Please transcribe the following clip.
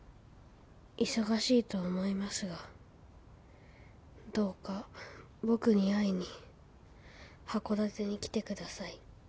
「忙しいと思いますがどうか僕に会いに函館に来てください」